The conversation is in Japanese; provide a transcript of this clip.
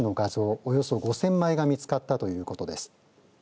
およそ５０００枚が見つかったということです。